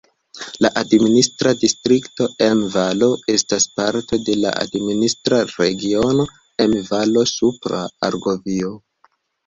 La administra distrikto Emme-Valo estas parto de la administra regiono Emme-Valo-Supra Argovio.